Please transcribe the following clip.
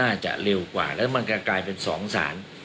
อาจจะเร็วกว่าแล้วมันก็กลายเป็น๒สาร